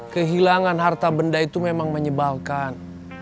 kehilangan harta benda itu memang menyebalkan